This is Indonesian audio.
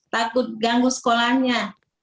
takut ganggu sekolahnya